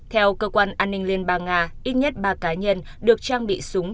theo cơ quan an ninh liên bang nga ít nhất ba cá nhân được trang bị súng